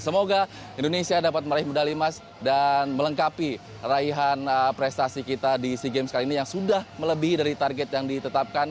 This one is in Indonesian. semoga indonesia dapat meraih medali emas dan melengkapi raihan prestasi kita di sea games kali ini yang sudah melebihi dari target yang ditetapkan